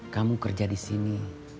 kamu kerja di sini